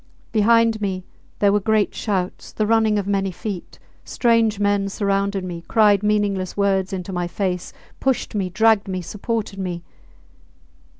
Behind me there were great shouts, the running of many feet; strange men surrounded me, cried meaningless words into my face, pushed me, dragged me, supported me